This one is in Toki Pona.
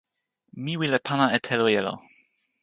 mi wile pana e telo jelo.